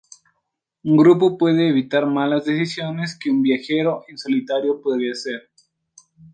Un grupo puede evitar malas decisiones que un viajero en solitario podría hacer.